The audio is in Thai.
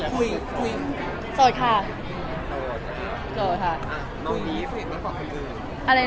คุยกันอยู่แล้ว